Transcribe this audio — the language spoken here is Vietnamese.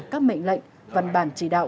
các mệnh lệnh văn bản chỉ đạo